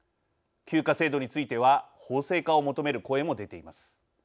休暇制度については法制化を求める声も出ています。